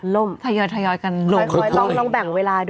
ล่ม